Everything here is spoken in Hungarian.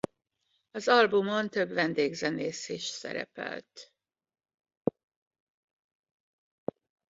Az albumon több vendégzenész is szerepelt.